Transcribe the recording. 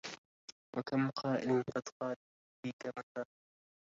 وكم قائل قد قال لي فيك مرة